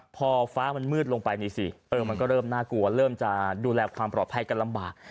พอฟ้ามันมืดลงไปนี่สิมันก็เริ่มน่ากลัวเริ่มจะดูแลความปลอดภัยกันลำบาก